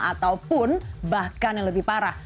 ataupun bahkan yang lebih parah